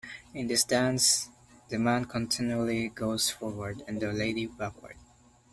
In this dance, the man continually goes forward and the lady backward.